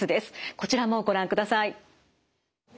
こちらもご覧ください。